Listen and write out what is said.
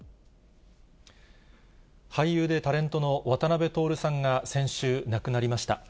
俳優でタレントの渡辺徹さんが先週、亡くなりました。